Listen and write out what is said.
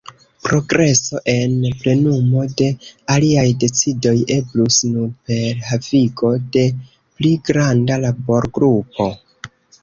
Progreso en plenumo de aliaj decidoj eblus nur per havigo de pli granda laborgrupo.